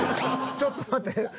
ちょっと待って。